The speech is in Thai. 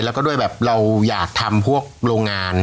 แล้วก็ด้วยแบบเราอยากทำพวกโรงงาน